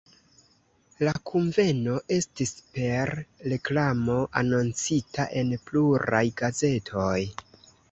La kunveno estis per reklamo anoncita en pluraj gazetoj.